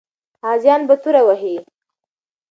غازیان به توره وهي.